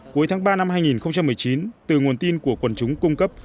cuối tháng ba năm hai nghìn một mươi chín từ nguồn tin của quần chúng cung cấp